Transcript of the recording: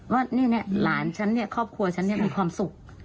ว่าหลานฉันครอบครัวฉันมีความสุข